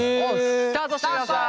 スタートしてください。